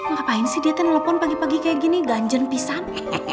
ngapain sih dia telpon pagi pagi kayak gini ganjen pisang